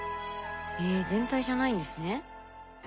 え全体じゃないんですね。